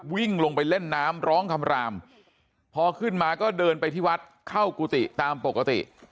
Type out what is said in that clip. วิ่งลงไปเล่นน้ำร้องคำรามพอขึ้นมาก็เดินไปที่วัดเข้ากุฏิตามปกติ